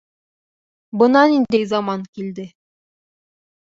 Бына ниндәй заман килде.